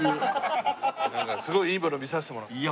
なんかすごいいいもの見させてもらって。